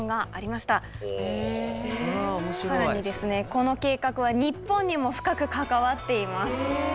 この計画は日本にも深く関わっています。